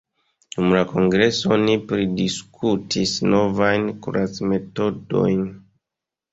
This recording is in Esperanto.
Dum la kongreso oni pridiskutis novajn kuracmetodojn.